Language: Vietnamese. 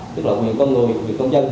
tức là nguyện con người nguyện công dân